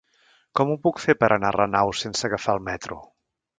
Com ho puc fer per anar a Renau sense agafar el metro?